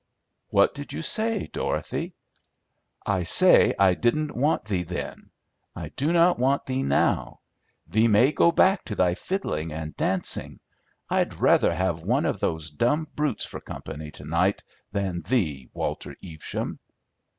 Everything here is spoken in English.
"What did you say, Dorothy?" "I say I didn't want thee then. I do not want thee now. Thee may go back to thy fiddling and dancing. I'd rather have one of those dumb brutes for company to night than thee, Walter Evesham."